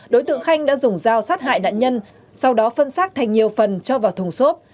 đối tượng khanh đã dùng dao sát hại nạn nhân sau đó phân xác thành nhiều phần cho vào thùng xốp